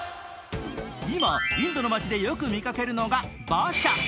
今、インドの街でよく見かけるのが馬車。